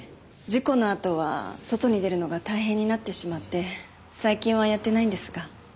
事故のあとは外に出るのが大変になってしまって最近はやってないんですが。